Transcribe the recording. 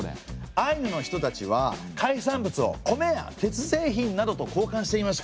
アイヌの人たちは海産物を米や鉄製品などと交換していました。